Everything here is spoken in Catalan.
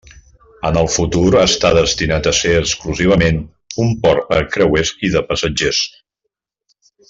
En el futur està destinat a ser exclusivament un port per creuers i de passatgers.